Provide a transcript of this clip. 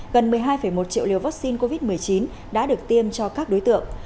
gần một mươi hai một triệu liều vaccine covid một mươi chín đã được tiêm cho các đối tượng